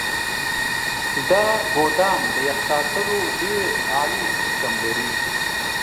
دا ګودام د يخ ساتلو ډیر عالي سیستم لري.